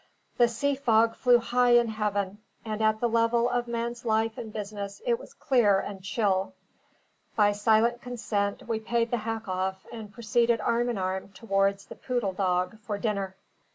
The sea fog flew high in heaven; and at the level of man's life and business it was clear and chill. By silent consent, we paid the hack off, and proceeded arm in arm towards the Poodle Dog for dinner.